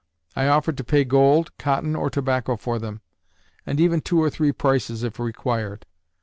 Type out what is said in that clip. I offered to pay gold, cotton, or tobacco for them, and even two or three prices, if required.